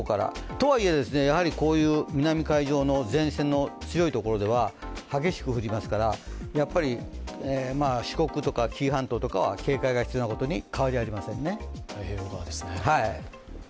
とはいえ、南海上の前線の強いところでは激しく降りますから、四国とか紀伊半島とかは警戒が必要なことに変わりありませんね。